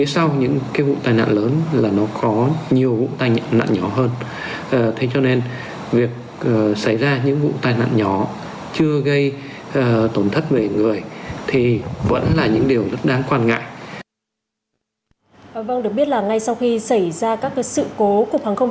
sau khi hoàn tất việc thu thập thông tin sự cố